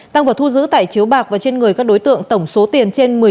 tăng vật thu giữ tại chiếu bạc và trên người các đối tượng tổng số tiền trên một mươi triệu đồng